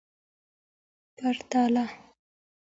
پتواله